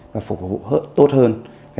và phục vụ tốt hơn